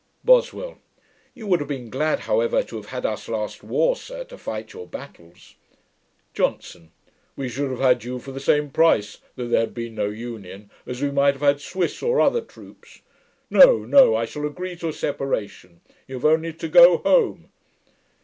BOSWELL. 'You would have been glad, however, to have had us last war, sir, to fight your battles!' JOHNSON. 'We should have had you for the same price, though there had been no Union, as we might have had Swiss, or other troops. No, no, I shall agree to a separation. You have only to GO HOME.'